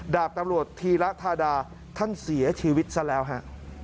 ดาบตำรวจธีระธาดาท่านเสียชีวิตซะแล้วฮะ